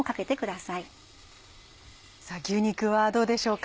さぁ牛肉はどうでしょうか？